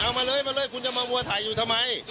เอามาเลยคุณจะมาวัวไทยอยู่ทำไม